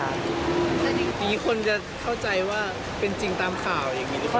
อย่างนี้คนจะเข้าใจว่าเป็นจริงตามข่าวอย่างนี้หรือเปล่า